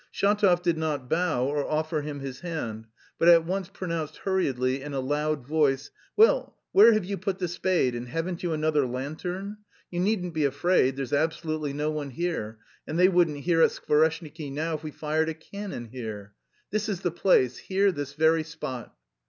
Shatov did not bow or offer him his hand, but at once pronounced hurriedly in a loud voice: "Well, where have you put the spade, and haven't you another lantern? You needn't be afraid, there's absolutely no one here, and they wouldn't hear at Skvoreshniki now if we fired a cannon here. This is the place, here this very spot."